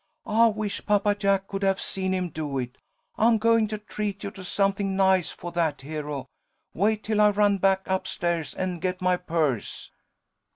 I wish Papa Jack could have seen him do it. I'm goin' to treat you to something nice fo' that, Hero. Wait till I run back up stairs and get my purse."